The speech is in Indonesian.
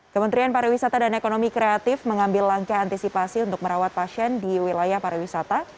kementerian pariwisata dan ekonomi kreatif mengambil langkah antisipasi untuk merawat pasien di wilayah pariwisata